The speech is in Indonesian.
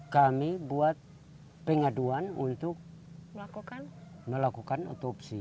kami buat pengaduan untuk melakukan otopsi